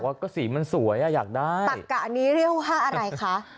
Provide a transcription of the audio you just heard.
ก็สีมันสวยอ่ะอยากได้ตักกะอันนี้เรียกว่าอะไรคะ